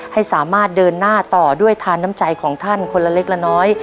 ให้สามารถเดินหน้าต่อด้วยทานน้ำใจของท่านคนละเล็กละน้อย